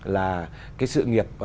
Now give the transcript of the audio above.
là cái sự nghiệp